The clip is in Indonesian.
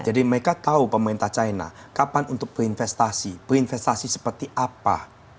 jadi mereka tahu pemerintah china kapan untuk berinvestasi berinvestasi seperti apa